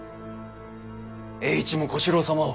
栄一も小四郎様を。